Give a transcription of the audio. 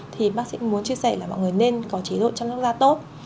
thì bác sĩ muốn chia sẻ là mọi người nên có chế độ chăm lo da tốt